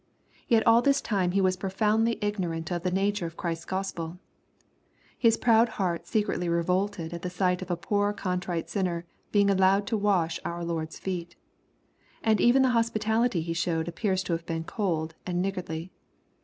'' Yet all this time he was profoundly ignorant of the nature of Christ's Gospel. His proud heart secretly revolted at the sight of a poor contrite sinner being allowed to wash our Lord's feet. And even the hospitality he showed appears to have been cold and niggardly.